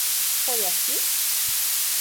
Foi aqui?